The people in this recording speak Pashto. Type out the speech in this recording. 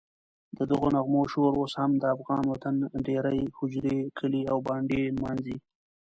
ددغو نغمو شور اوس هم د افغان وطن دېرې، هوجرې، کلي او بانډې نمانځي.